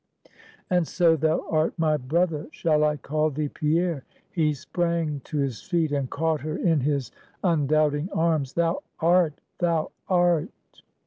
"And so thou art my brother! shall I call thee Pierre?" He sprang to his feet, and caught her in his undoubting arms. "Thou art! thou art!"